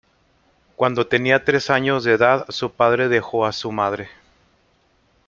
Cuando tenía tres años de edad, su padre dejó a su madre.